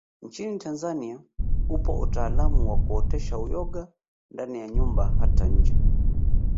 Nchini Tanzania upo utaalamu wakuotesha uyoga ndani ya nyumba hata nje